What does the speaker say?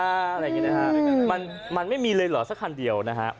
อะไรอย่างนี้นะฮะมันมันไม่มีเลยเหรอสักคันเดียวนะฮะ